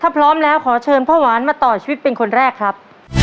ถ้าพร้อมแล้วขอเชิญพ่อหวานมาต่อชีวิตเป็นคนแรกครับ